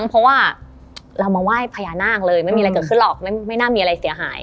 เรามาไหว้พญานาคไม่มีอะไรเกิดขึ้นหรอกมันไม่น่ามีอะไรเสียหาย